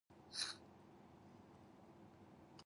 The demeanor of the children during inspection was most pleasing.